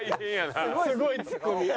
すごいツッコミ。